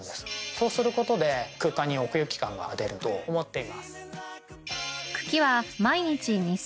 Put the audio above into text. そうすることで空間に奥行き感が出ると思っています。